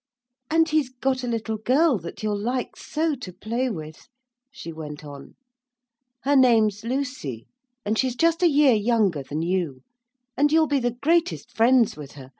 'And he's got a little girl that you'll like so to play with,' she went on. 'Her name's Lucy, and she's just a year younger than you. And you'll be the greatest friends with her.